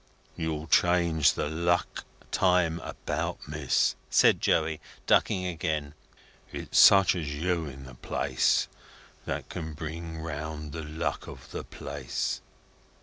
"You'll change the luck time about, Miss," said Joey, ducking again. "It's such as you in the place that can bring round the luck of the place."